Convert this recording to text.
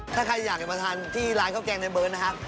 ถ้าใครอยากจะมาทานที่ร้านข้าวแกงในเบิร์ตนะครับ